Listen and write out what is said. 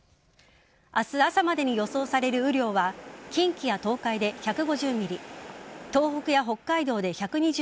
明日朝までに予想される雨量は近畿や東海で１５０ｍｍ東北や北海道で１２０ｍｍ